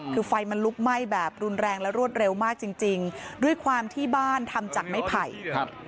คือไฟมันลุกไหม้แบบรุนแรงและรวดเร็วมากจริงจริงด้วยความที่บ้านทำจากไม้ไผ่ครับ